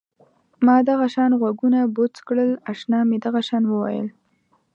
ما دغه شان غوږونه بوڅ کړل اشنا مې دغه شان وویل.